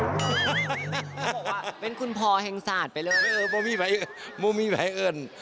มันบอกว่าเป็นคุณพอแห่งสาดไปเลยเออโมมี่ไปโมมี่ไปเอิญ